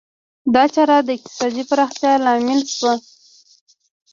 دا چاره د اقتصادي پراختیا لامل شوه.